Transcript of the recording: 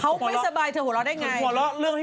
เขาไม่สบายเธอหัวเราะได้ไงอื่นหนูหัวเราะ